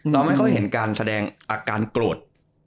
เราไม่ค่อยเห็นการแสดงอาการโกรธ